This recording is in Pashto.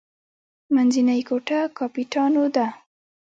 منځنۍ ګوته کاپیټانو ده.